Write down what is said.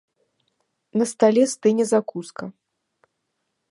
На стале стыне закуска.